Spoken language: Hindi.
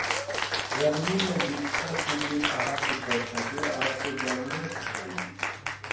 रणवीर ने दीपिका के लिए कहा कुछ ऐसा, जो आपको जानना ही चाहिए...